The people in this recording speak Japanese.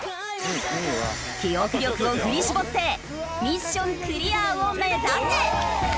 記憶力を振り絞ってミッションクリアを目指せ！